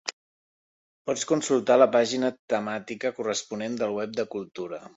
Pots consultar la pàgina temàtica corresponent del web de Cultura.